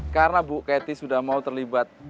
karena bu keti sudah mau terlibat